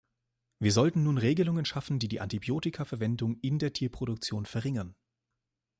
Wir sollten nun Regelungen schaffen, die die Antibiotikaverwendung in der Tierproduktion verringern.